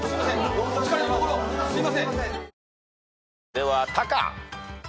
ではタカ。